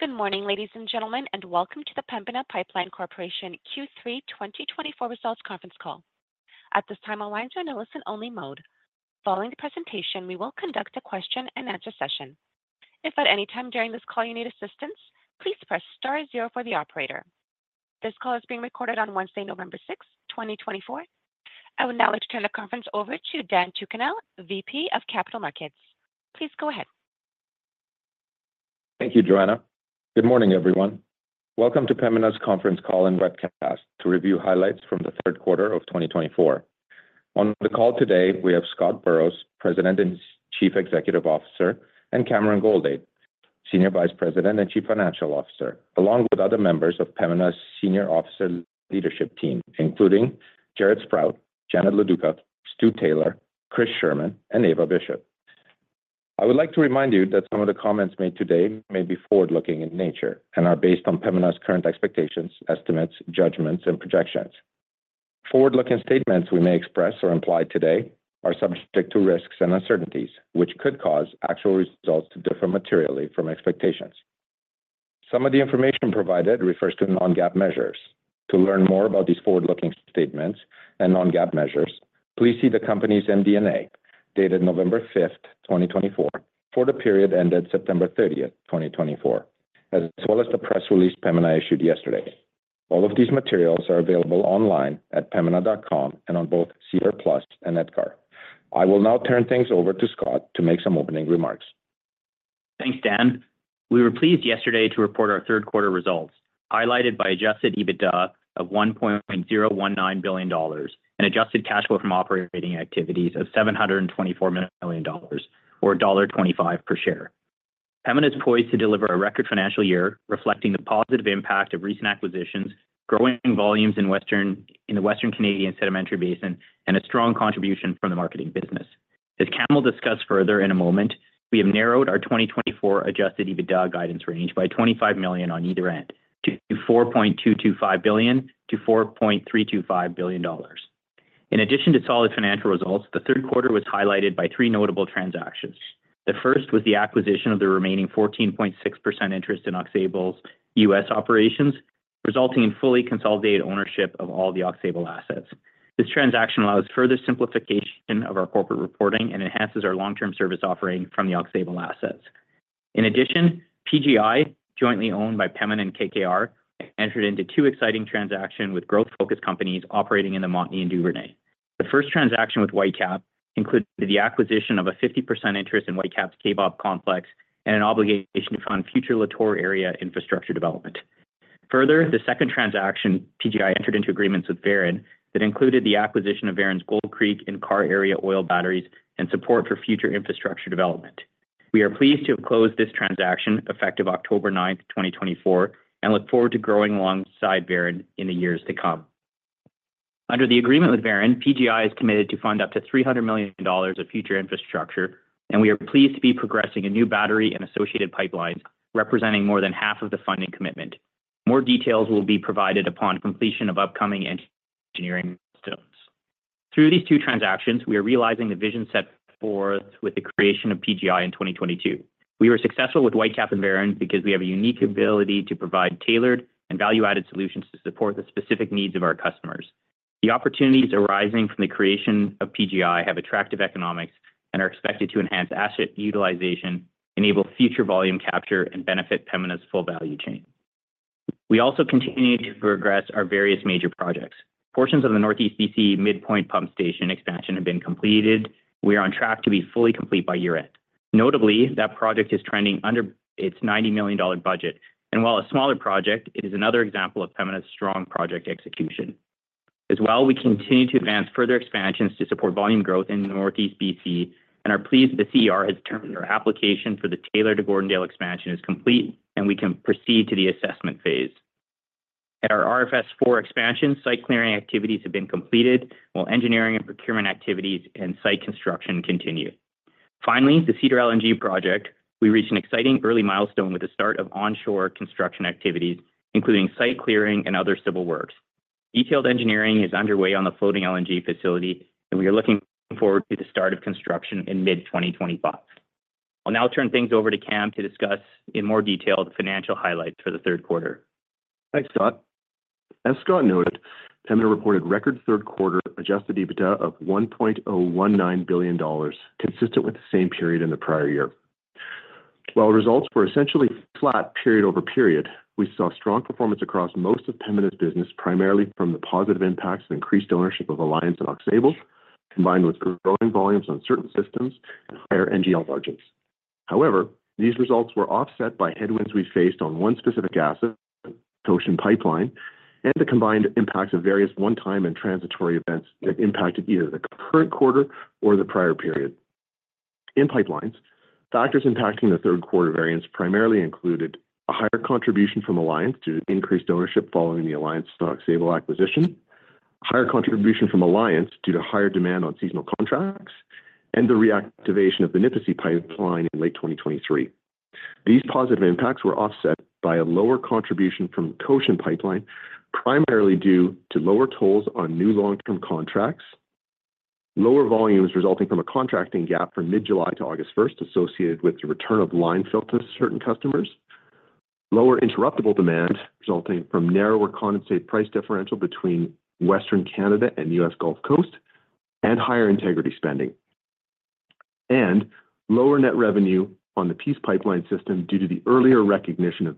Good morning, ladies and gentlemen, and welcome to the Pembina Pipeline Corporation Q3 2024 results conference call. At this time, our lines are in a listen-only mode. Following the presentation, we will conduct a question-and-answer session. If at any time during this call you need assistance, please press star zero for the operator. This call is being recorded on Wednesday, November 6, 2024. I would now like to turn the conference over to Dan Tucunel, VP of Capital Markets. Please go ahead. Thank you, Joanna. Good morning, everyone. Welcome to Pembina's conference call and webcast to review highlights from the third quarter of 2024. On the call today, we have Scott Burrows, President and Chief Executive Officer, and Cameron Goldade, Senior Vice President and Chief Financial Officer, along with other members of Pembina's Senior Officer Leadership Team, including Jaret Sprott, Janet Loduca, Stu Taylor, Chris Sherman, and Eva Bishop. I would like to remind you that some of the comments made today may be forward-looking in nature and are based on Pembina's current expectations, estimates, judgments, and projections. Forward-looking statements we may express or imply today are subject to risks and uncertainties, which could cause actual results to differ materially from expectations. Some of the information provided refers to non-GAAP measures. To learn more about these forward-looking statements and non-GAAP measures, please see the company's MD&A dated November 5th, 2024, for the period ended September 30th, 2024, as well as the press release Pembina issued yesterday. All of these materials are available online at pembina.com and on both SEDAR+ and EDGAR. I will now turn things over to Scott to make some opening remarks. Thanks, Dan. We were pleased yesterday to report our third-quarter results, highlighted by adjusted EBITDA of 1.019 billion dollars and adjusted cash flow from operating activities of 724 million dollars, or dollar 1.25 per share. Pembina is poised to deliver a record financial year reflecting the positive impact of recent acquisitions, growing volumes in the Western Canadian Sedimentary Basin, and a strong contribution from the marketing business. As Cameron discussed further in a moment, we have narrowed our 2024 adjusted EBITDA guidance range by 25 million on either end to 4.225 billion to 4.325 billion dollars. In addition to solid financial results, the third quarter was highlighted by three notable transactions. The first was the acquisition of the remaining 14.6% interest in Aux Sable's U.S. operations, resulting in fully consolidated ownership of all the Aux Sable assets. This transaction allows further simplification of our corporate reporting and enhances our long-term service offering from the Aux Sable assets. In addition, PGI, jointly owned by Pembina and KKR, entered into two exciting transactions with growth-focused companies operating in the Montney and Duvernay. The first transaction with Whitecap included the acquisition of a 50% interest in Whitecap's Kaybob complex and an obligation to fund future Lator area infrastructure development. Further, the second transaction, PGI entered into agreements with Veren that included the acquisition of Veren's Gold Creek and Karr area oil batteries and support for future infrastructure development. We are pleased to have closed this transaction effective October 9, 2024, and look forward to growing alongside Veren in the years to come. Under the agreement with Veren, PGI is committed to fund up to $300 million of future infrastructure, and we are pleased to be progressing a new battery and associated pipelines representing more than half of the funding commitment. More details will be provided upon completion of upcoming engineering steps. Through these two transactions, we are realizing the vision set forth with the creation of PGI in 2022. We were successful with Whitecap and Veren because we have a unique ability to provide tailored and value-added solutions to support the specific needs of our customers. The opportunities arising from the creation of PGI have attractive economics and are expected to enhance asset utilization, enable future volume capture, and benefit Pembina's full value chain. We also continue to progress our various major projects. Portions of the Northeast BC midpoint pump station expansion have been completed. We are on track to be fully complete by year-end. Notably, that project is trending under its 90 million dollar budget, and while a smaller project, it is another example of Pembina's strong project execution. As well, we continue to advance further expansions to support volume growth in Northeast BC and are pleased that the CER has determined our application for the Taylor to Gordondale expansion is complete and we can proceed to the assessment phase. At our RFS 4 expansion, site clearing activities have been completed while engineering and procurement activities and site construction continue. Finally, the Cedar LNG project, we reached an exciting early milestone with the start of onshore construction activities, including site clearing and other civil works. Detailed engineering is underway on the floating LNG facility, and we are looking forward to the start of construction in mid-2025. I'll now turn things over to Cam to discuss in more detail the financial highlights for the third quarter. Thanks, Scott. As Scott noted, Pembina reported record third quarter adjusted EBITDA of 1.019 billion dollars, consistent with the same period in the prior year. While results were essentially flat period-over-period, we saw strong performance across most of Pembina's business, primarily from the positive impacts of increased ownership of Alliance and Aux Sable, combined with growing volumes on certain systems and higher NGL margins. However, these results were offset by headwinds we faced on one specific asset, the Cochin Pipeline, and the combined impacts of various one-time and transitory events that impacted either the current quarter or the prior period. In pipelines, factors impacting the third quarter variance primarily included a higher contribution from Alliance due to increased ownership following the Alliance and Aux Sable acquisition, a higher contribution from Alliance due to higher demand on seasonal contracts, and the reactivation of the Nipissi Pipeline in late 2023. These positive impacts were offset by a lower contribution from the Cochin Pipeline, primarily due to lower tolls on new long-term contracts, lower volumes resulting from a contracting gap from mid-July to August 1st, associated with the return of line fill to certain customers, lower interruptible demand resulting from narrower condensate price differential between Western Canada and the U.S. Gulf Coast, and higher integrity spending, and lower net revenue on the Peace Pipeline system due to the earlier recognition of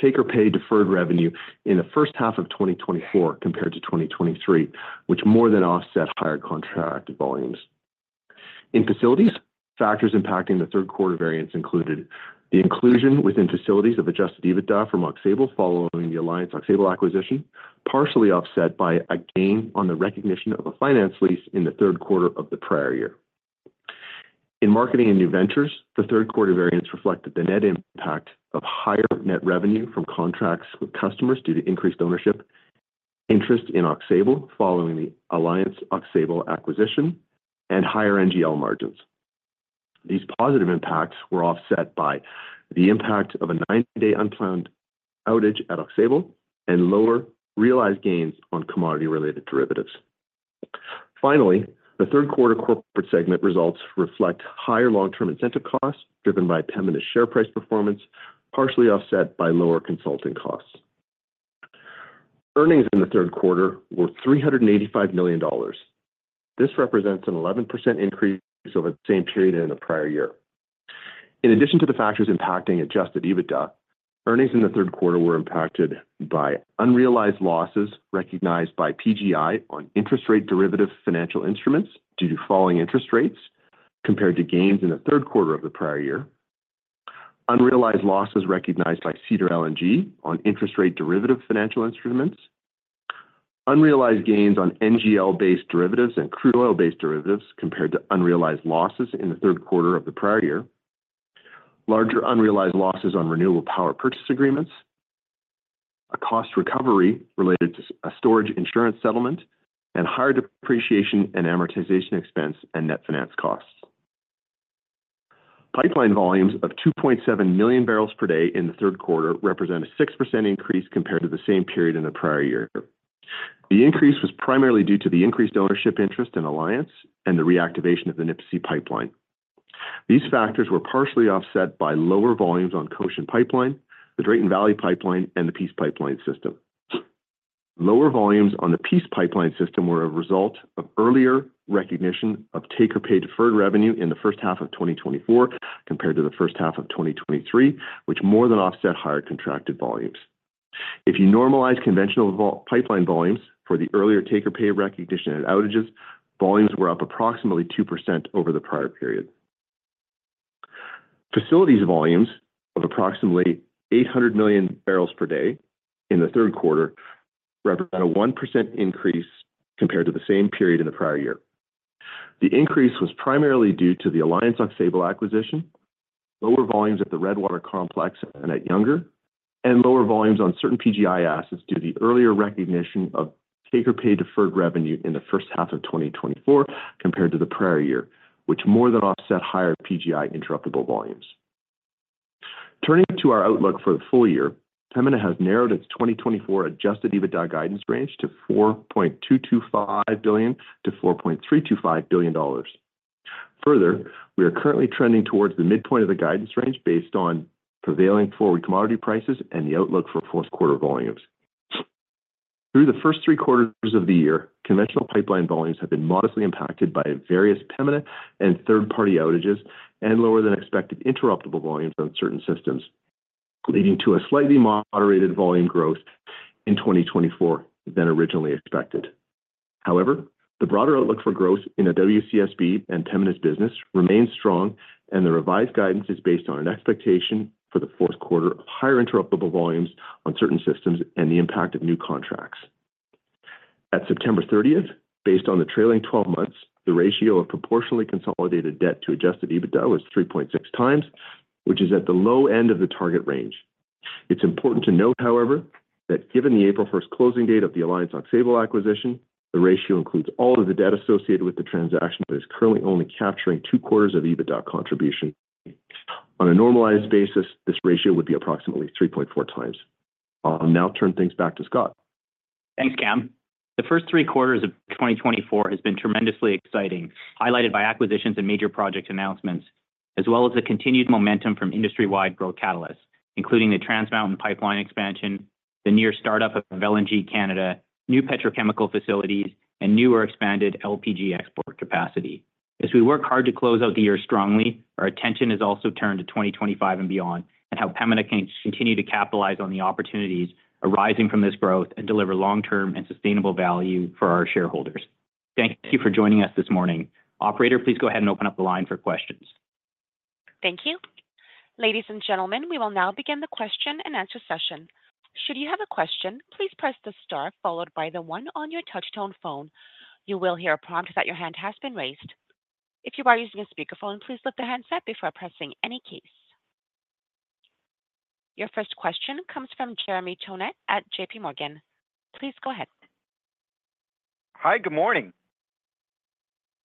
take-or-pay deferred revenue in the first half of 2024 compared to 2023, which more than offset higher contract volumes. In facilities, factors impacting the third quarter variance included the inclusion within facilities of adjusted EBITDA from Aux Sable following the Alliance-Aux Sable acquisition, partially offset by a gain on the recognition of a finance lease in the third quarter of the prior year. In marketing and new ventures, the third quarter variance reflected the net impact of higher net revenue from contracts with customers due to increased ownership, interest in Aux Sable following the Alliance-Aux Sable acquisition, and higher NGL margins. These positive impacts were offset by the impact of a nine-day unplanned outage at Aux Sable and lower realized gains on commodity-related derivatives. Finally, the third quarter corporate segment results reflect higher long-term incentive costs driven by Pembina's share price performance, partially offset by lower consulting costs. Earnings in the third quarter were 385 million dollars. This represents an 11% increase over the same period in the prior year. In addition to the factors impacting Adjusted EBITDA, earnings in the third quarter were impacted by unrealized losses recognized by PGI on interest rate derivative financial instruments due to falling interest rates compared to gains in the third quarter of the prior year, unrealized losses recognized by Cedar LNG on interest rate derivative financial instruments, unrealized gains on NGL-based derivatives and crude oil-based derivatives compared to unrealized losses in the third quarter of the prior year, larger unrealized losses on renewable power purchase agreements, a cost recovery related to a storage insurance settlement, and higher depreciation and amortization expense and net finance costs. Pipeline volumes of 2.7 million barrels per day in the third quarter represent a 6% increase compared to the same period in the prior year. The increase was primarily due to the increased ownership interest in Alliance and the reactivation of the Nipissi pipeline. These factors were partially offset by lower volumes on Cochin Pipeline, the Drayton Valley Pipeline, and the Peace Pipeline system. Lower volumes on the Peace Pipeline system were a result of earlier recognition of take-or-pay deferred revenue in the first half of 2024 compared to the first half of 2023, which more than offset higher contracted volumes. If you normalize conventional pipeline volumes for the earlier take-or-pay recognition and outages, volumes were up approximately 2% over the prior period. Facilities volumes of approximately 800 million barrels per day in the third quarter represent a 1% increase compared to the same period in the prior year. The increase was primarily due to the Alliance-Aux Sable acquisition, lower volumes at the Redwater Complex and at Younger, and lower volumes on certain PGI assets due to the earlier recognition of take-or-pay deferred revenue in the first half of 2024 compared to the prior year, which more than offset higher PGI interruptible volumes. Turning to our outlook for the full year, Pembina has narrowed its 2024 adjusted EBITDA guidance range to $4.225 billion-$4.325 billion. Further, we are currently trending towards the midpoint of the guidance range based on prevailing four-week commodity prices and the outlook for fourth quarter volumes. Through the first three quarters of the year, conventional pipeline volumes have been modestly impacted by various Pembina and third-party outages and lower-than-expected interruptible volumes on certain systems, leading to a slightly moderated volume growth in 2024 than originally expected. However, the broader outlook for growth in the WCSB and Pembina's business remains strong, and the revised guidance is based on an expectation for the fourth quarter of higher interruptible volumes on certain systems and the impact of new contracts. At September 30th, based on the trailing 12 months, the ratio of proportionally consolidated debt to adjusted EBITDA was 3.6x, which is at the low end of the target range. It's important to note, however, that given the April 1st, closing date of the Alliance-Aux Sable acquisition, the ratio includes all of the debt associated with the transaction that is currently only capturing two quarters of EBITDA contribution. On a normalized basis, this ratio would be approximately 3.4x. I'll now turn things back to Scott. Thanks, Cam. The first three quarters of 2024 have been tremendously exciting, highlighted by acquisitions and major project announcements, as well as the continued momentum from industry-wide growth catalysts, including the Trans Mountain Pipeline expansion, the near startup of LNG Canada, new petrochemical facilities, and newer expanded LPG export capacity. As we work hard to close out the year strongly, our attention is also turned to 2025 and beyond and how Pembina can continue to capitalize on the opportunities arising from this growth and deliver long-term and sustainable value for our shareholders. Thank you for joining us this morning. Operator, please go ahead and open up the line for questions. Thank you. Ladies and gentlemen, we will now begin the question-and-answer session. Should you have a question, please press the star followed by the one on your touch-tone phone. You will hear a prompt that your hand has been raised. If you are using a speakerphone, please lift the handset before pressing any keys. Your first question comes from Jeremy Tonet at JPMorgan. Please go ahead. Hi, good morning.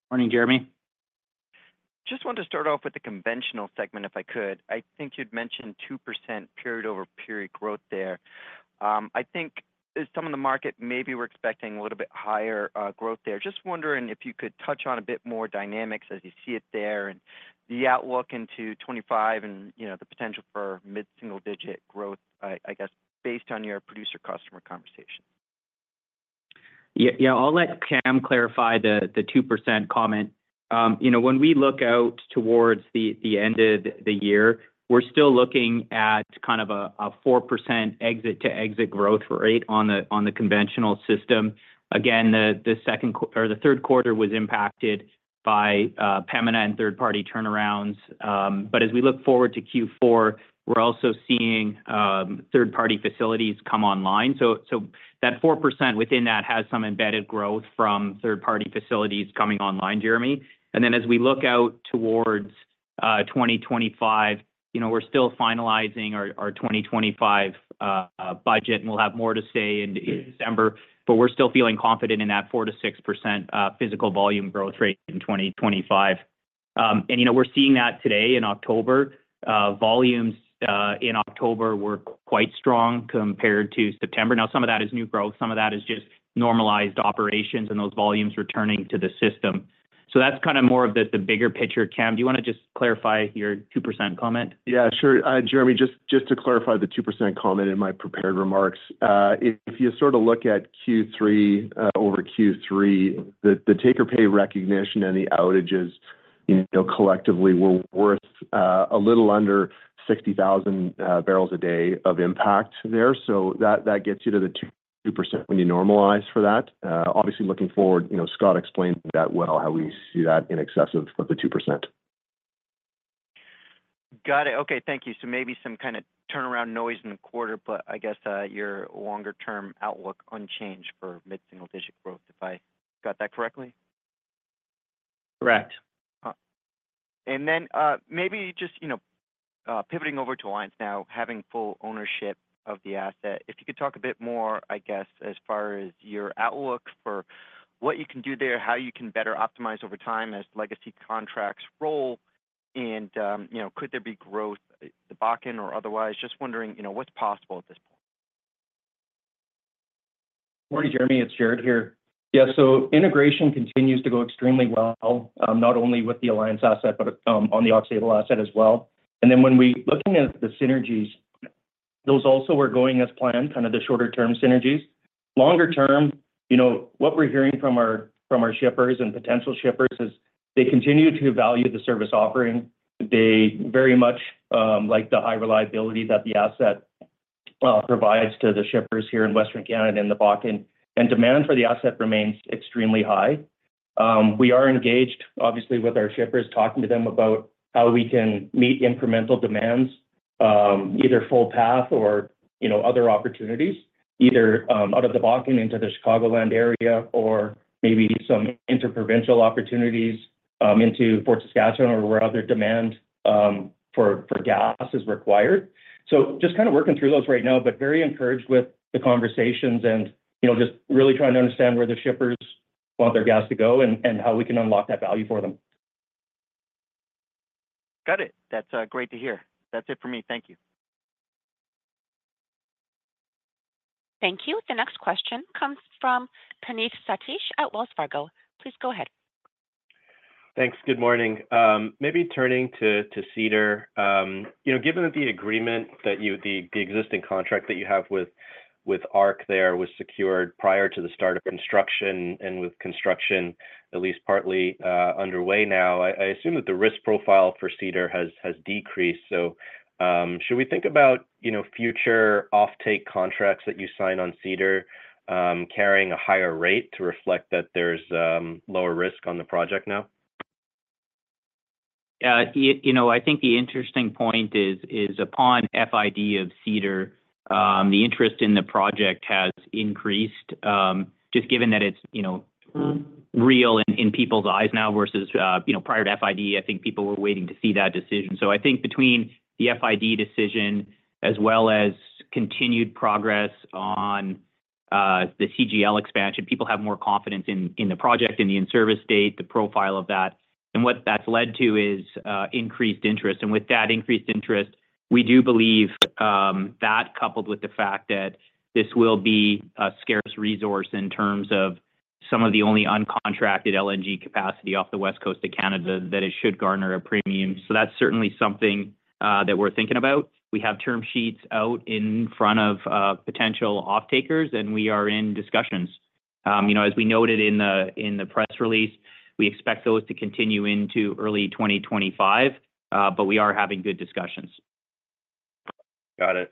Morning, Jeremy. Just wanted to start off with the conventional segment, if I could. I think you'd mentioned 2% period-over-period growth there. I think some of the market maybe were expecting a little bit higher growth there. Just wondering if you could touch on a bit more dynamics as you see it there and the outlook into 2025 and the potential for mid-single-digit growth, I guess, based on your producer-customer conversation? Yeah, I'll let Cam clarify the 2% comment. When we look out towards the end of the year, we're still looking at kind of a 4% exit-to-exit growth rate on the conventional system. Again, the second or the third quarter was impacted by Pembina and third-party turnarounds, but as we look forward to Q4, we're also seeing third-party facilities come online, so that 4% within that has some embedded growth from third-party facilities coming online, Jeremy, and then as we look out towards 2025, we're still finalizing our 2025 budget, and we'll have more to say in December, but we're still feeling confident in that 4%-6% physical volume growth rate in 2025, and we're seeing that today in October. Volumes in October were quite strong compared to September. Now, some of that is new growth. Some of that is just normalized operations and those volumes returning to the system. So that's kind of more of the bigger picture. Cam, do you want to just clarify your 2% comment? Yeah, sure. Jeremy, just to clarify the 2% comment in my prepared remarks, if you sort of look at Q3 over Q3, the take-or-pay recognition and the outages collectively were worth a little under 60,000 barrels a day of impact there. So that gets you to the 2% when you normalize for that. Obviously, looking forward, Scott explained that well, how we see that in excess of the 2%. Got it. Okay, thank you. So maybe some kind of turnaround noise in the quarter, but I guess your longer-term outlook unchanged for mid-single-digit growth, if I got that correctly? Correct. And then maybe just pivoting over to Alliance now, having full ownership of the asset, if you could talk a bit more, I guess, as far as your outlook for what you can do there, how you can better optimize over time as legacy contracts roll, and could there be growth, debottlenecking or otherwise? Just wondering what's possible at this point. Morning, Jeremy. It's Jaret here. Yeah, so integration continues to go extremely well, not only with the Alliance asset, but on the Aux Sable asset as well. And then when we look at the synergies, those also were going as planned, kind of the shorter-term synergies. Longer-term, what we're hearing from our shippers and potential shippers is they continue to value the service offering. They very much like the high reliability that the asset provides to the shippers here in Western Canada and the Bakken, and demand for the asset remains extremely high. We are engaged, obviously, with our shippers, talking to them about how we can meet incremental demands, either Foothills path or other opportunities, either out of the Bakken into the Chicagoland area or maybe some interprovincial opportunities into Fort Saskatchewan or wherever demand for gas is required. So, just kind of working through those right now, but very encouraged with the conversations and just really trying to understand where the shippers want their gas to go and how we can unlock that value for them. Got it. That's great to hear. That's it for me. Thank you. Thank you. The next question comes from Praneeth Satish at Wells Fargo. Please go ahead. Thanks. Good morning. Maybe turning to Cedar. Given that the agreement, the existing contract that you have with ARC there was secured prior to the start of construction and with construction at least partly underway now, I assume that the risk profile for Cedar has decreased. So should we think about future off-take contracts that you sign on Cedar carrying a higher rate to reflect that there's lower risk on the project now? Yeah, I think the interesting point is upon FID of Cedar, the interest in the project has increased, just given that it's real in people's eyes now versus prior to FID. I think people were waiting to see that decision. So I think between the FID decision as well as continued progress on the CGL expansion, people have more confidence in the project and the in-service state, the profile of that. And what that's led to is increased interest. And with that increased interest, we do believe that coupled with the fact that this will be a scarce resource in terms of some of the only uncontracted LNG capacity off the west coast of Canada that it should garner a premium. So that's certainly something that we're thinking about. We have term sheets out in front of potential off-takers, and we are in discussions. As we noted in the press release, we expect those to continue into early 2025, but we are having good discussions. Got it.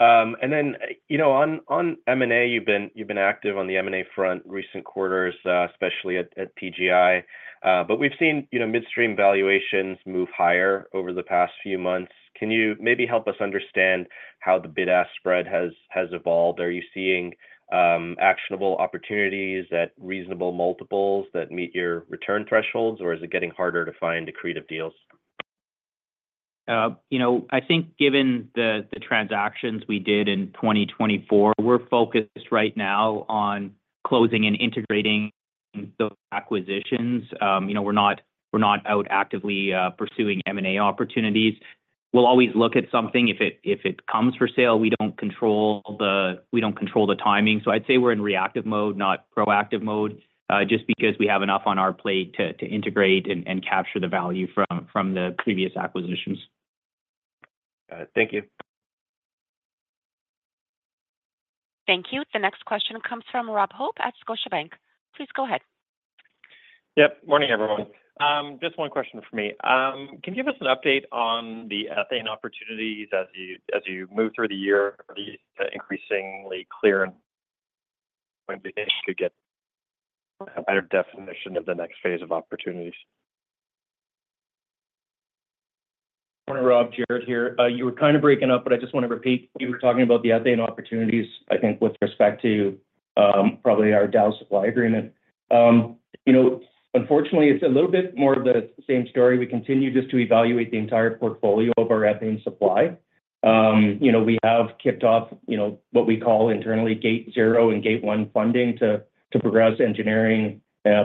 And then on M&A, you've been active on the M&A front recent quarters, especially at PGI. But we've seen midstream valuations move higher over the past few months. Can you maybe help us understand how the bid-ask spread has evolved? Are you seeing actionable opportunities at reasonable multiples that meet your return thresholds, or is it getting harder to find accretive deals? I think given the transactions we did in 2024, we're focused right now on closing and integrating those acquisitions. We're not out actively pursuing M&A opportunities. We'll always look at something. If it comes for sale, we don't control the timing. So I'd say we're in reactive mode, not proactive mode, just because we have enough on our plate to integrate and capture the value from the previous acquisitions. Got it. Thank you. Thank you. The next question comes from Rob Hope at Scotiabank. Please go ahead. Yep. Morning, everyone. Just one question for me. Can you give us an update on the ethane opportunities as you move through the year? These increasingly clear and going to be things you could get a better definition of the next phase of opportunities. Morning, Rob. Jaret here. You were kind of breaking up, but I just want to repeat. You were talking about the ethane opportunities, I think, with respect to probably our Dow supply agreement. Unfortunately, it's a little bit more of the same story. We continue just to evaluate the entire portfolio of our ethane supply. We have kicked off what we call internally Gate Zero and Gate One funding to progress engineering,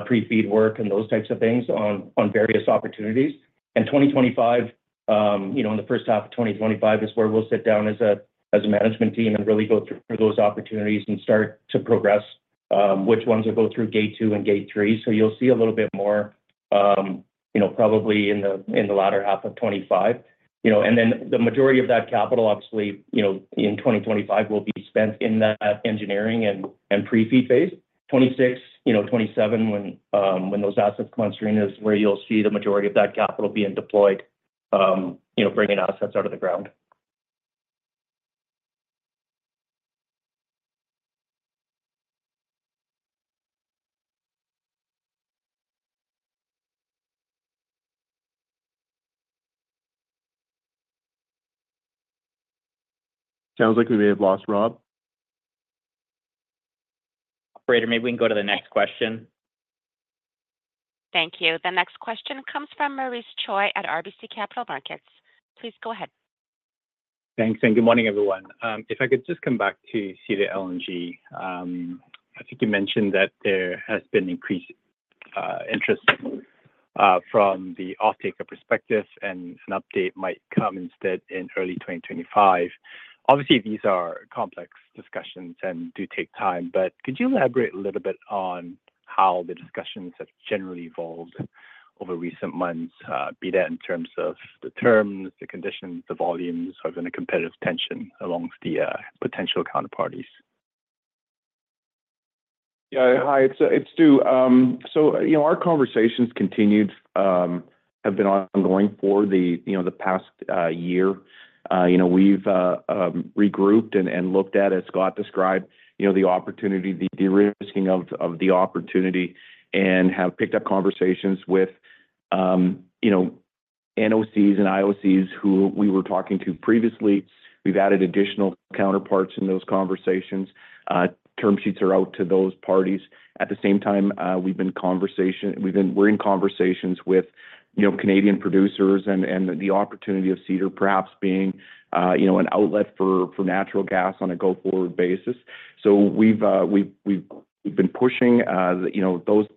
pre-feed work, and those types of things on various opportunities, and 2025, in the first half of 2025, is where we'll sit down as a management team and really go through those opportunities and start to progress which ones will go through Gate Two and Gate Three, so you'll see a little bit more probably in the latter half of 2025. And then the majority of that capital, obviously, in 2025 will be spent in that engineering and pre-feed phase. 2026, 2027, when those assets come on stream is where you'll see the majority of that capital being deployed, bringing assets out of the ground. Sounds like we may have lost Rob. Operator, maybe we can go to the next question. Thank you. The next question comes from Maurice Choy at RBC Capital Markets. Please go ahead. Thanks. Good morning, everyone. If I could just come back to Cedar LNG, I think you mentioned that there has been increased interest from the off-taker perspective, and an update might come instead in early 2025. Obviously, these are complex discussions and do take time, but could you elaborate a little bit on how the discussions have generally evolved over recent months, be that in terms of the terms, the conditions, the volumes, or even the competitive tension amongst the potential counterparties? Yeah. Hi, it's Stu. Our conversations continued and have been ongoing for the past year. We've regrouped and looked at, as Scott described, the opportunity, the risking of the opportunity, and have picked up conversations with NOCs and IOCs who we were talking to previously. We've added additional counterparts in those conversations. Term sheets are out to those parties. At the same time, we've been in conversations with Canadian producers and the opportunity of Cedar perhaps being an outlet for natural gas on a go-forward basis. We've been pushing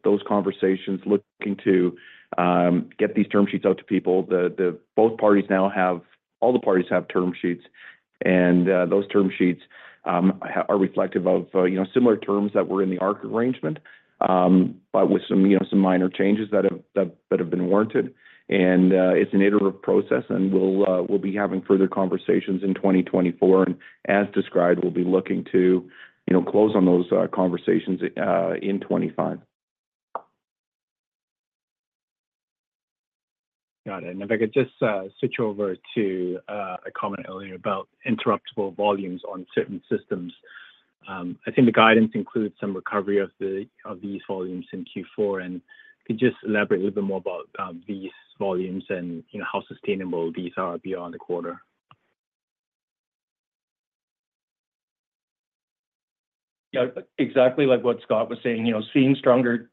those conversations, looking to get these term sheets out to people. Both parties now have; all the parties have term sheets, and those term sheets are reflective of similar terms that were in the ARC arrangement, but with some minor changes that have been warranted. It's an iterative process, and we'll be having further conversations in 2024. As described, we'll be looking to close on those conversations in 2025. Got it. And if I could just switch over to a comment earlier about interruptible volumes on certain systems. I think the guidance includes some recovery of these volumes in Q4. And could you just elaborate a little bit more about these volumes and how sustainable these are beyond the quarter? Yeah. Exactly like what Scott was saying, seeing stronger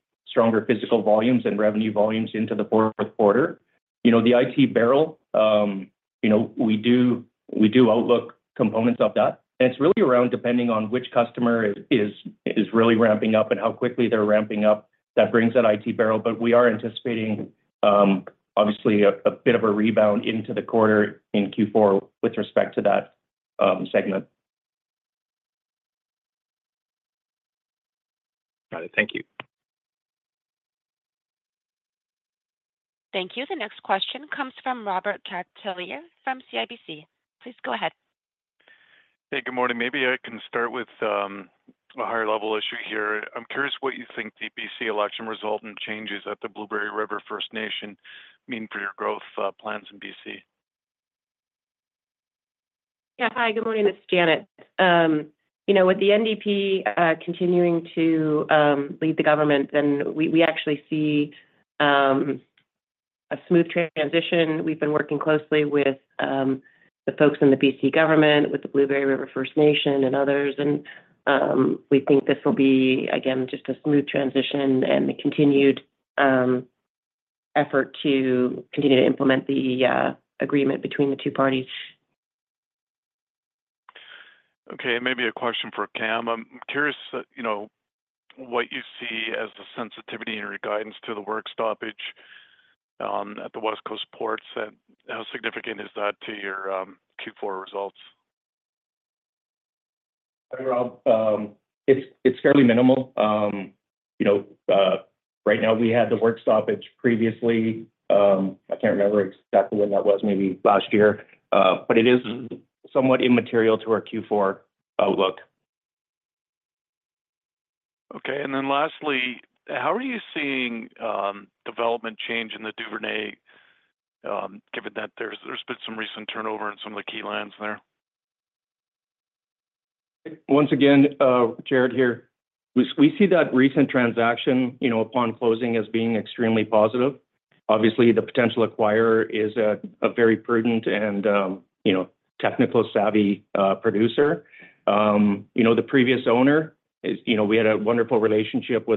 physical volumes and revenue volumes into the fourth quarter. The IT barrel, we do outlook components of that. And it's really around depending on which customer is really ramping up and how quickly they're ramping up that brings that IT barrel. But we are anticipating, obviously, a bit of a rebound into the quarter in Q4 with respect to that segment. Got it. Thank you. Thank you. The next question comes from Robert Catellier from CIBC. Please go ahead. Hey, good morning. Maybe I can start with a higher-level issue here. I'm curious what you think the BC election result and changes at the Blueberry River First Nation mean for your growth plans in BC. Yeah. Hi, good morning. It's Janet. With the NDP continuing to lead the government, then we actually see a smooth transition. We've been working closely with the folks in the BC government, with the Blueberry River First Nation and others, and we think this will be, again, just a smooth transition and the continued effort to continue to implement the agreement between the two parties. Okay. And maybe a question for Cam. I'm curious what you see as the sensitivity in your guidance to the work stoppage at the West Coast ports. How significant is that to your Q4 results? It's fairly minimal. Right now, we had the work stoppage previously. I can't remember exactly when that was, maybe last year, but it is somewhat immaterial to our Q4 outlook. Okay. And then lastly, how are you seeing development change in the Duvernay, given that there's been some recent turnover in some of the key lands there? Once again, Jaret here. We see that recent transaction upon closing as being extremely positive. Obviously, the potential acquirer is a very prudent and technical-savvy producer. The previous owner, we had a wonderful relationship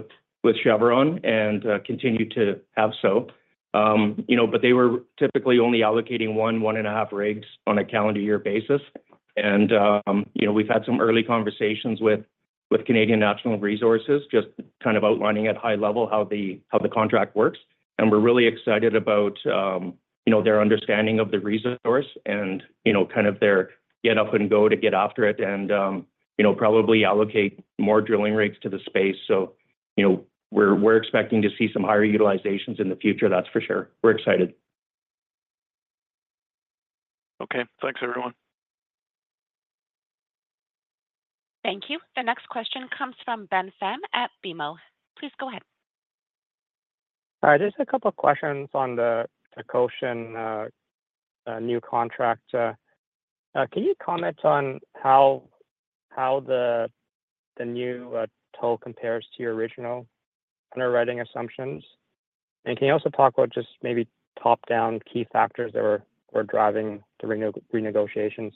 with Chevron and continue to have so. But they were typically only allocating one, one and a half rigs on a calendar year basis. And we've had some early conversations with Canadian Natural Resources, just kind of outlining at high level how the contract works. And we're really excited about their understanding of the resource and kind of their get up and go to get after it and probably allocate more drilling rigs to the space. So we're expecting to see some higher utilizations in the future, that's for sure. We're excited. Okay. Thanks, everyone. Thank you. The next question comes from Ben Pham at BMO. Please go ahead. Hi. There's a couple of questions on the Cochin new contract. Can you comment on how the new toll compares to your original underwriting assumptions? And can you also talk about just maybe top-down key factors that were driving the renegotiations?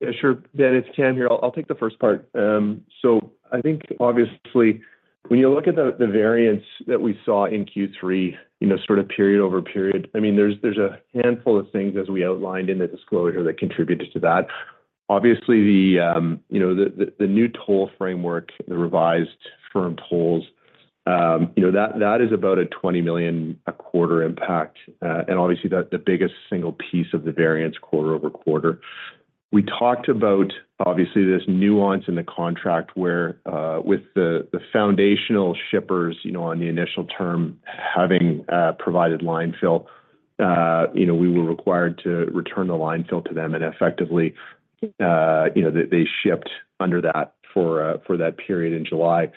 Yeah, sure. Ben, it's, Cam here. I'll take the first part. So I think, obviously, when you look at the variance that we saw in Q3, sort of period-over-period, I mean, there's a handful of things, as we outlined in the disclosure, that contributed to that. Obviously, the new toll framework, the revised firm tolls, that is about a 20 million a quarter impact. And obviously, the biggest single piece of the variance quarter-over-quarter. We talked about, obviously, this nuance in the contract where with the foundational shippers on the initial term having provided line fill, we were required to return the line fill to them. And effectively, they shipped under that for that period in July.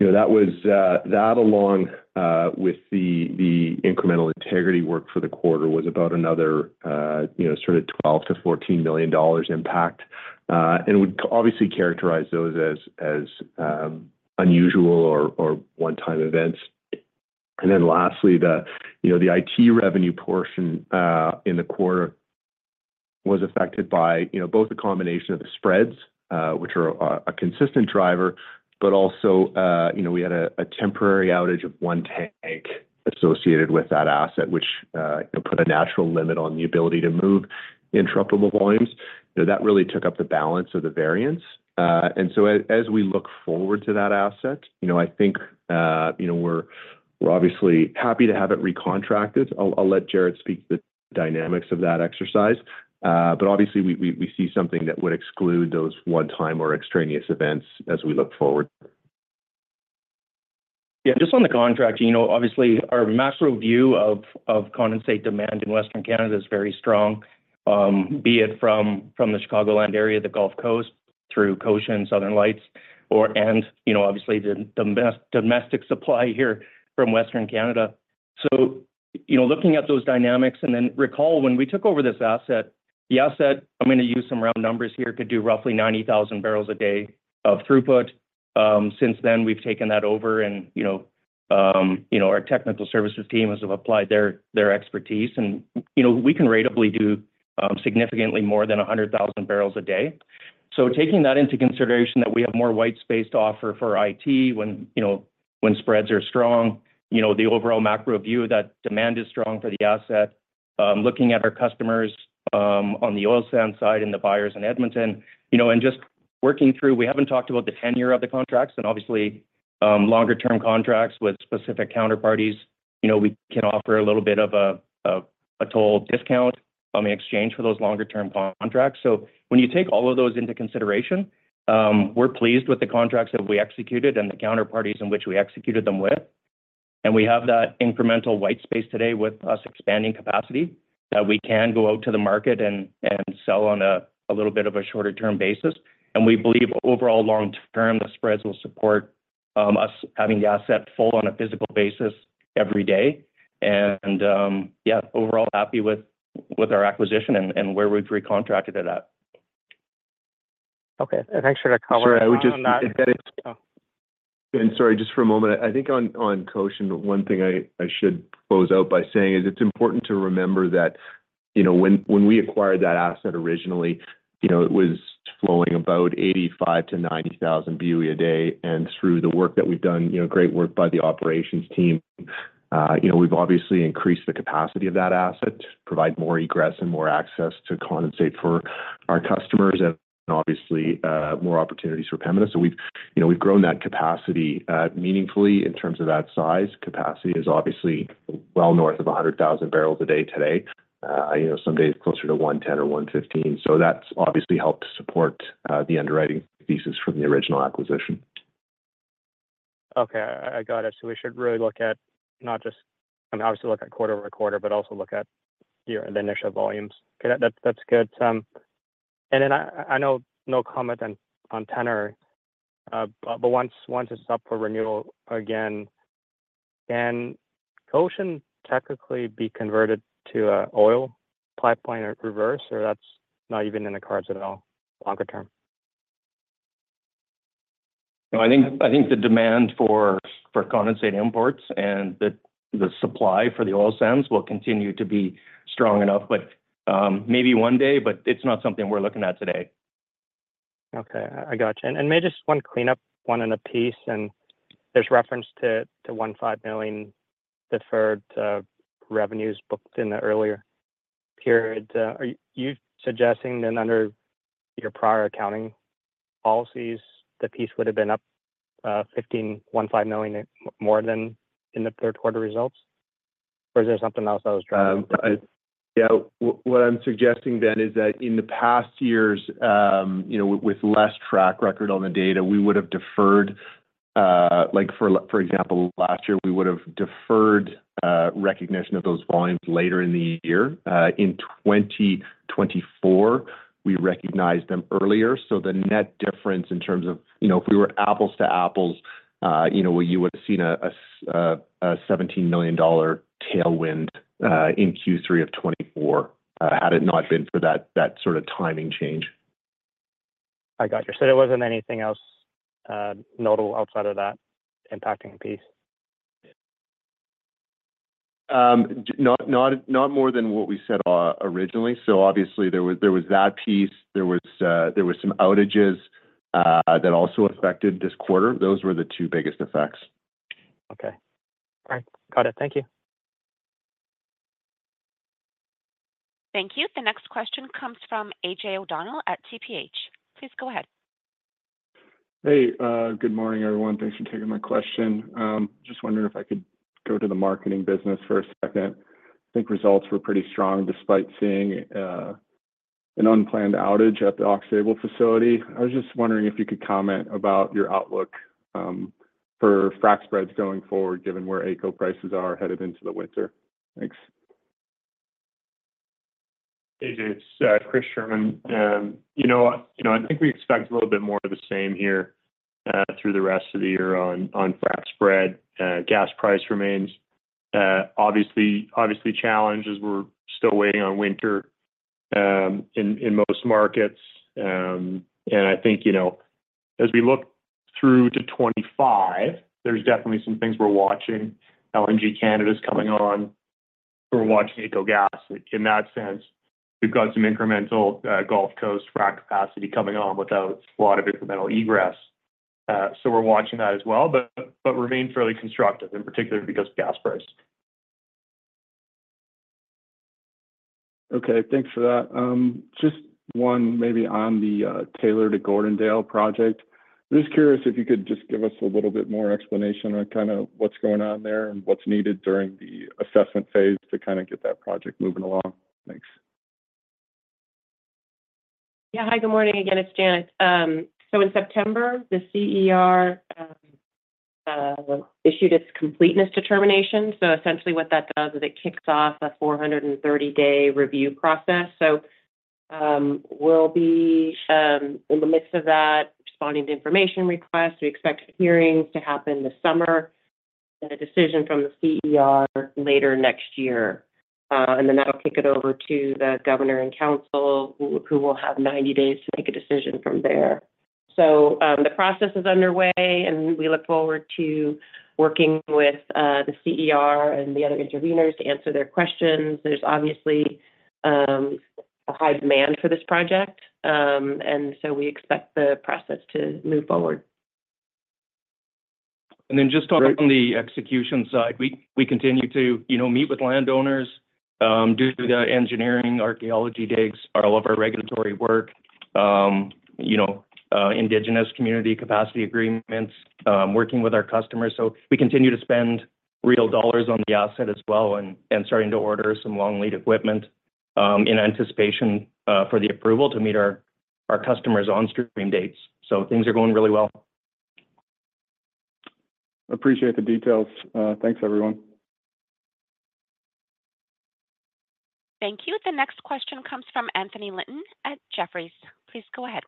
That along with the incremental integrity work for the quarter was about another sort of 12 million-14 million dollars impact. And we obviously characterize those as unusual or one-time events. And then lastly, the IT revenue portion in the quarter was affected by both a combination of the spreads, which are a consistent driver, but also we had a temporary outage of one tank associated with that asset, which put a natural limit on the ability to move interruptible volumes. That really took up the balance of the variance. And so as we look forward to that asset, I think we're obviously happy to have it recontracted. I'll let Jaret speak to the dynamics of that exercise. But obviously, we see something that would exclude those one-time or extraneous events as we look forward. Yeah. Just on the contract, obviously, our macro view of condensate demand in Western Canada is very strong, be it from the Chicagoland area, the Gulf Coast, through Cochin, Southern Lights, and obviously, the domestic supply here from Western Canada. So looking at those dynamics, and then recall when we took over this asset, the asset, I'm going to use some round numbers here, could do roughly 90,000 barrels a day of throughput. Since then, we've taken that over, and our technical services team has applied their expertise, and we can readily do significantly more than 100,000 barrels a day. So, taking that into consideration that we have more white space to offer for IT when spreads are strong, the overall macro view that demand is strong for the asset, looking at our customers on the oil sand side and the buyers in Edmonton, and just working through, we haven't talked about the tenure of the contracts. And obviously, longer-term contracts with specific counterparties, we can offer a little bit of a toll discount in exchange for those longer-term contracts. So when you take all of those into consideration, we're pleased with the contracts that we executed and the counterparties in which we executed them with. And we have that incremental white space today with us expanding capacity that we can go out to the market and sell on a little bit of a shorter-term basis. We believe overall, long-term, the spreads will support us having the asset full on a physical basis every day. Yeah, overall, happy with our acquisition and where we've recontracted at that. Okay. Thanks for the comment. Sorry, just for a moment. I think on Cochin, one thing I should close out by saying is it's important to remember that when we acquired that asset originally, it was flowing about 85,000-90,000 barrels a day. And through the work that we've done, great work by the operations team, we've obviously increased the capacity of that asset, provide more egress and more access to condensate for our customers, and obviously, more opportunities for Pembina. So we've grown that capacity meaningfully in terms of that size. Capacity is obviously well north of 100,000 barrels a day today, some days closer to 110 or 115. So that's obviously helped support the underwriting thesis from the original acquisition. Okay. I got it. So we should really look at not just, I mean, obviously, look at quarter-over-quarter, but also look at the initial volumes. Okay. That's good. And then I know no comment on tenor, but once it's up for renewal again, can Cochin technically be converted to an oil pipeline at reverse, or that's not even in the cards at all longer-term? I think the demand for condensate imports and the supply for the oil sands will continue to be strong enough, but maybe one day, but it's not something we're looking at today. Okay. I got you. And maybe just one cleanup, one on the Peace. And there's reference to 15 million deferred revenues booked in the earlier period. Are you suggesting that under your prior accounting policies, the Peace would have been up 15 million more than in the third quarter results? Or is there something else I was trying to? Yeah. What I'm suggesting then is that in the past years, with less track record on the data, we would have deferred, for example, last year, we would have deferred recognition of those volumes later in the year. In 2024, we recognized them earlier. So the net difference in terms of if we were apples to apples, we would have seen a 17 million dollar tailwind in Q3 of 2024 had it not been for that sort of timing change. I got you. So there wasn't anything else notable outside of that impacting piece? Not more than what we said originally. So obviously, there was that piece. There were some outages that also affected this quarter. Those were the two biggest effects. Okay. All right. Got it. Thank you. Thank you. The next question comes from AJ O'Donnell at TPH. Please go ahead. Hey. Good morning, everyone. Thanks for taking my question. Just wondering if I could go to the marketing business for a second. I think results were pretty strong despite seeing an unplanned outage at the Aux Sable facility. I was just wondering if you could comment about your outlook for frac spreads going forward, given where AECO prices are headed into the winter. Thanks. Hey, Dan. This is Chris Sherman. I think we expect a little bit more of the same here through the rest of the year on frac spread. Gas price remains, obviously, challenging. We're still waiting on winter in most markets. And I think as we look through to 2025, there's definitely some things we're watching. LNG Canada's coming on. We're watching AECO gas. In that sense, we've got some incremental Gulf Coast frac capacity coming on without a lot of incremental egress. So we're watching that as well, but remain fairly constructive, in particular because of gas price. Okay. Thanks for that. Just one, maybe, on the Taylor-to-Gordondale project. I'm just curious if you could just give us a little bit more explanation on kind of what's going on there and what's needed during the assessment phase to kind of get that project moving along. Thanks. Yeah. Hi, good morning. Again, it's Janet. So in September, the CER issued its completeness determination. So essentially, what that does is it kicks off a 430-day review process. So we'll be in the midst of that, responding to information requests. We expect hearings to happen this summer and a decision from the CER later next year. And then that'll kick it over to the governor and council, who will have 90 days to make a decision from there. So the process is underway, and we look forward to working with the CER and the other intervenors to answer their questions. There's obviously a high demand for this project, and so we expect the process to move forward. And then just on the execution side, we continue to meet with landowners, do the engineering, archaeology digs, all of our regulatory work, Indigenous community capacity agreements, working with our customers. So we continue to spend real dollars on the asset as well and starting to order some long lead equipment in anticipation for the approval to meet our customers' on-stream dates. So things are going really well. Appreciate the details. Thanks, everyone. Thank you. The next question comes from Anthony Linton at Jefferies. Please go ahead.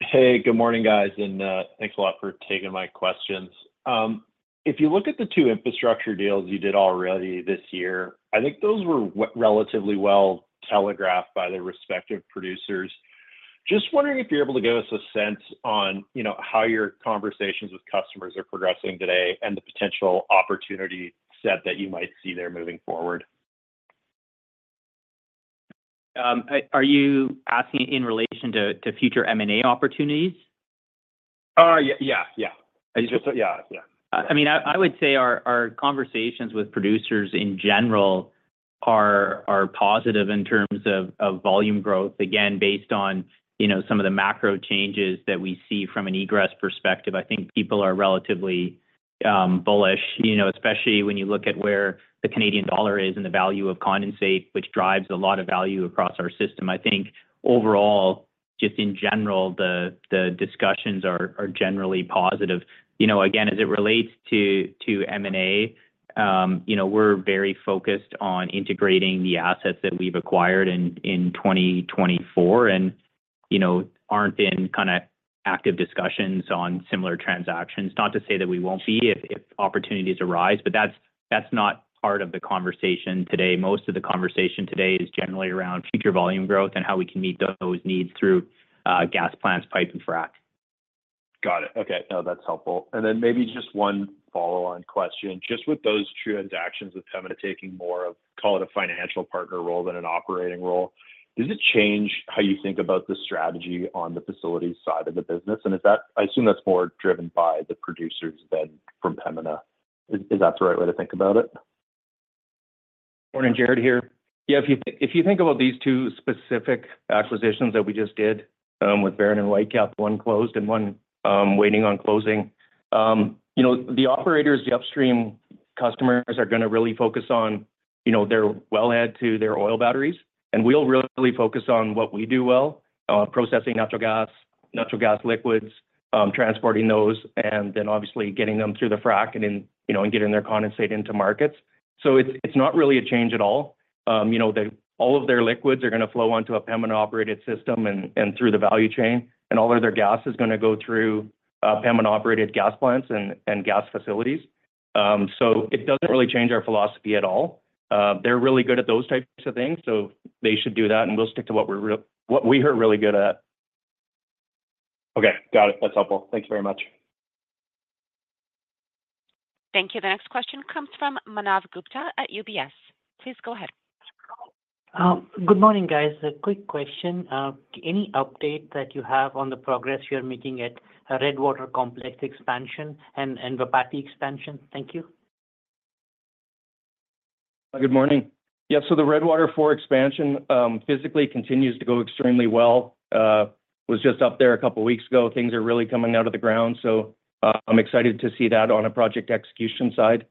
Hey, good morning, guys. And thanks a lot for taking my questions. If you look at the two infrastructure deals you did already this year, I think those were relatively well telegraphed by the respective producers. Just wondering if you're able to give us a sense on how your conversations with customers are progressing today and the potential opportunity set that you might see there moving forward. Are you asking in relation to future M&A opportunities? Yeah. Yeah. Yeah. I mean, I would say our conversations with producers in general are positive in terms of volume growth. Again, based on some of the macro changes that we see from an egress perspective, I think people are relatively bullish, especially when you look at where the Canadian dollar is and the value of condensate, which drives a lot of value across our system. I think overall, just in general, the discussions are generally positive. Again, as it relates to M&A, we're very focused on integrating the assets that we've acquired in 2024 and aren't in kind of active discussions on similar transactions. Not to say that we won't be if opportunities arise, but that's not part of the conversation today. Most of the conversation today is generally around future volume growth and how we can meet those needs through gas plants, pipe, and frac. Got it. Okay. No, that's helpful. And then maybe just one follow-on question. Just with those transactions with Pembina taking more of, call it a financial partner role than an operating role, does it change how you think about the strategy on the facility side of the business? And I assume that's more driven by the producers than from Pembina. Is that the right way to think about it? Morning, Jaret here. Yeah. If you think about these two specific acquisitions that we just did with Veren and Whitecap, one closed and one waiting on closing, the operators, the upstream customers are going to really focus on their wellhead to their oil batteries, and we'll really focus on what we do well, processing natural gas, natural gas liquids, transporting those, and then obviously getting them through the frac and getting their condensate into markets, so it's not really a change at all. All of their liquids are going to flow onto a Pembina-operated system and through the value chain, and all of their gas is going to go through Pembina-operated gas plants and gas facilities, so it doesn't really change our philosophy at all. They're really good at those types of things, so they should do that, and we'll stick to what we are really good at. Okay. Got it. That's helpful. Thank you very much. Thank you. The next question comes from Manav Gupta at UBS. Please go ahead. Good morning, guys. A quick question. Any update that you have on the progress you're making at Redwater Complex expansion and Wapiti expansion? Thank you. Good morning. Yeah. So the Redwater 4 expansion physically continues to go extremely well. Was just up there a couple of weeks ago. Things are really coming out of the ground. So I'm excited to see that on a project execution side.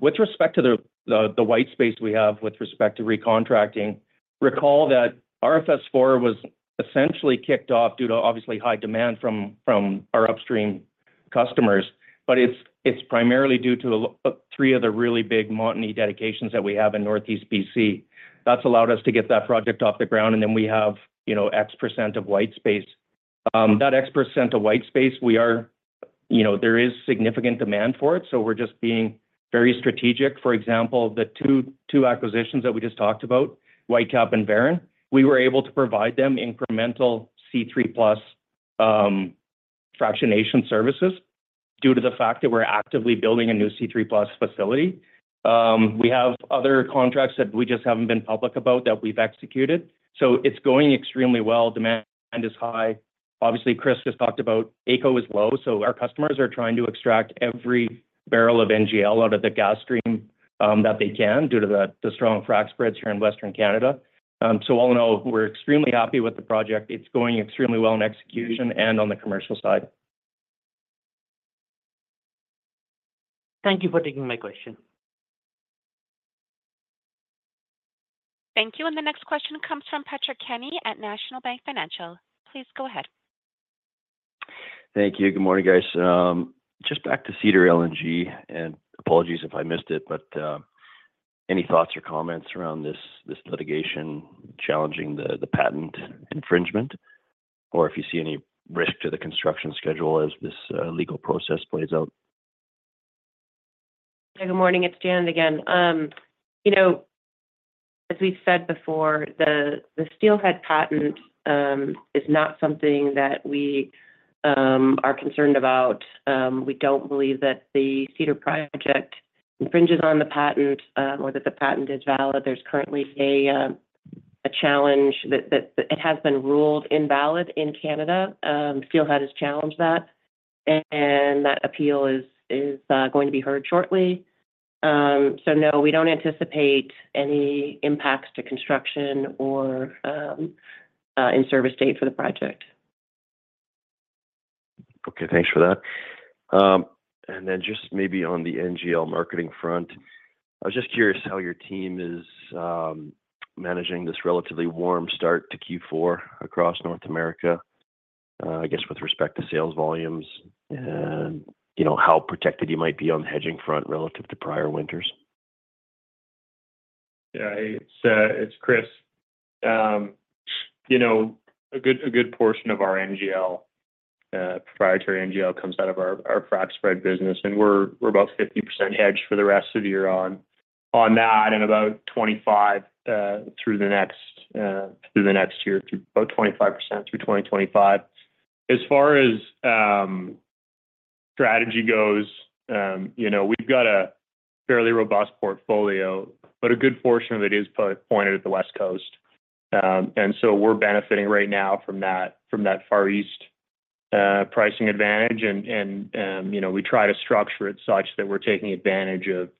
With respect to the white space we have with respect to recontracting, recall that RFS 4 was essentially kicked off due to obviously high demand from our upstream customers, but it's primarily due to three of the really big Montney dedications that we have in Northeast BC. That's allowed us to get that project off the ground, and then we have X-percent of white space. That X-percent of white space, there is significant demand for it, so we're just being very strategic. For example, the two acquisitions that we just talked about, Whitecap and Veren, we were able to provide them incremental C3+ fractionation services due to the fact that we're actively building a new C3+ facility. We have other contracts that we just haven't been public about that we've executed. So it's going extremely well. Demand is high. Obviously, Chris just talked about AECO is low, so our customers are trying to extract every barrel of NGL out of the gas stream that they can due to the strong frac spreads here in Western Canada. So all in all, we're extremely happy with the project. It's going extremely well in execution and on the commercial side. Thank you for taking my question. Thank you. And the next question comes from Patrick Kenny at National Bank Financial. Please go ahead. Thank you. Good morning, guys. Just back to Cedar LNG, and apologies if I missed it, but any thoughts or comments around this litigation challenging the patent infringement, or if you see any risk to the construction schedule as this legal process plays out? Good morning. It's Janet again. As we've said before, the Steelhead patent is not something that we are concerned about. We don't believe that the Cedar project infringes on the patent or that the patent is valid. There's currently a challenge that it has been ruled invalid in Canada. Steelhead has challenged that, and that appeal is going to be heard shortly. So no, we don't anticipate any impacts to construction or in-service date for the project. Okay. Thanks for that. And then just maybe on the NGL marketing front, I was just curious how your team is managing this relatively warm start to Q4 across North America, I guess with respect to sales volumes and how protected you might be on the hedging front relative to prior winters. Yeah. It's Chris. A good portion of our NGL, proprietary NGL, comes out of our frac spread business, and we're about 50% hedged for the rest of the year on that and about 25% through the next year, about 25% through 2025. As far as strategy goes, we've got a fairly robust portfolio, but a good portion of it is pointed at the West Coast. And so we're benefiting right now from that Far East pricing advantage, and we try to structure it such that we're taking advantage of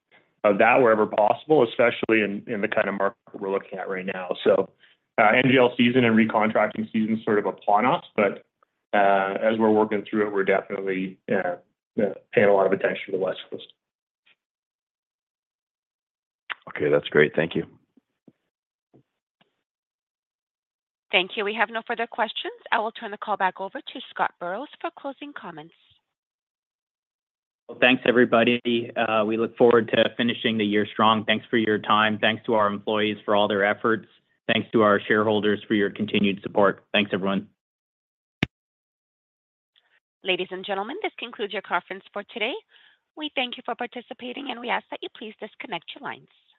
that wherever possible, especially in the kind of market we're looking at right now. So NGL season and recontracting season is sort of upon us, but as we're working through it, we're definitely paying a lot of attention to the West Coast. Okay. That's great. Thank you. Thank you. We have no further questions. I will turn the call back over to Scott Burrows for closing comments. Thanks, everybody. We look forward to finishing the year strong. Thanks for your time. Thanks to our employees for all their efforts. Thanks to our shareholders for your continued support. Thanks, everyone. Ladies and gentlemen, this concludes your conference for today. We thank you for participating, and we ask that you please disconnect your lines.